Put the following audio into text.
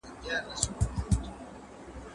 دا پاڼه ژېړه ده .